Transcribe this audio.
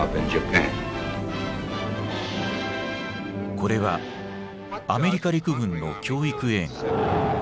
これはアメリカ陸軍の教育映画。